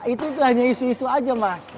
itu hanya isu isu aja mas